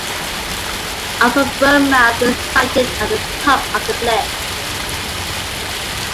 Upper Burnmouth is sited at the top of the cliff.